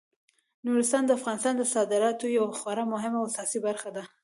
نورستان د افغانستان د صادراتو یوه خورا مهمه او اساسي برخه ده.